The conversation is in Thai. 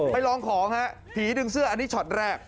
ไปลองของฮะผีดึงเสื้ออันนี้ช็อตแรก